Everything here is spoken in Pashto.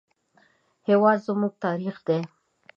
هېواد زموږ تاریخ دی